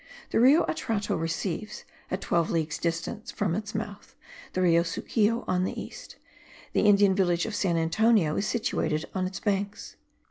The Rio Atrato receives, at twelve leagues distance from its mouth, the Rio Sucio on the east; the Indian village of San Antonio is situated on its banks.